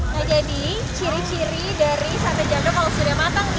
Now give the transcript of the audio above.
nah jadi ciri ciri dari sate jando kalau sudah matang